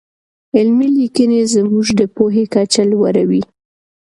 علمي لیکنې زموږ د پوهې کچه لوړوي.